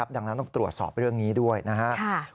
ดังนั้นต้องตรวจสอบเรื่องนี้ด้วยนะครับ